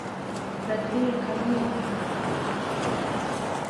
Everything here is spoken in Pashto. زده کړې یې کمه وه.